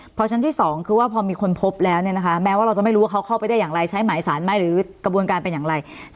เพราะชั้นที่๒คือว่าพอมีคนพบแล้วเนี่ยนะคะแม้ว่าเราจะไม่รู้ว่าเขาเข้าไปได้อย่างไรใช้หมายสารไหมหรือกระบวนการเป็นอย่างไร